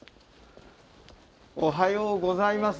おはようございます。